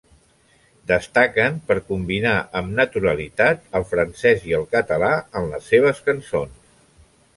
Destaquen per combinar amb naturalitat el francès i el català en les seves cançons.